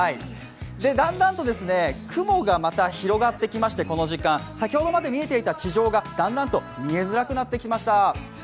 だんだんと雲がまた広がってきまして、この時間、先ほどまで見えていた地上がだんだんと見えづらくなってきました。